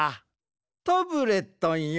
タブレットンよ